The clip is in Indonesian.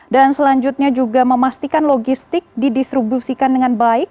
selanjutnya juga memastikan logistik didistribusikan dengan baik